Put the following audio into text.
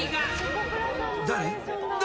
誰？